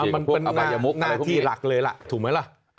มันเป็นนาที่หลักเลยล่ะถูกไหมล่ะ